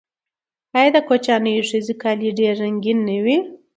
آیا د کوچیانیو ښځو کالي ډیر رنګین نه وي؟